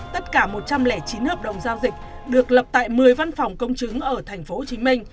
tất cả một trăm linh chín hợp đồng giao dịch được lập tại một mươi văn phòng công chứng ở tp hcm